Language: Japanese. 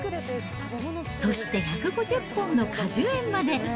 そして１５０本の果樹園まで。